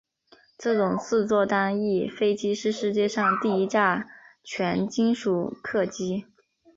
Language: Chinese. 这种四座单翼飞机是世界上第一架全金属客机。